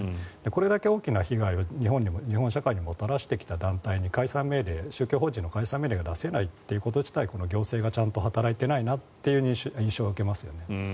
これだけ大きな被害をもたらしてきた団体に解散命令を出せないということにこの行政がちゃんと働いていないなという印象は受けます。